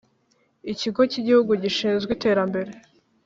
Ikigo cy’ igihugu gishinzwe Iterambere